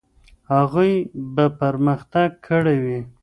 هغوی به پرمختګ کړی وي.